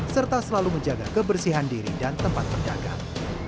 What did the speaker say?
serta selalu menjaga kebersihan diri dan tempat berdagang